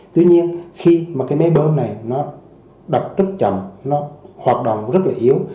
tuy nhiên khi mà cái máy bơm này nó đặt rất chậm nó hoạt động rất là yếu